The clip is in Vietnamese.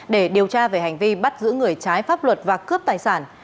để điều tra về hành vi bắt giữ người trái pháp luật và cướp tài sản